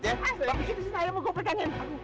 bisa disini saya mau gobekannya